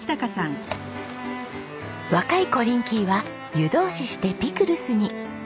若いコリンキーは湯通ししてピクルスに。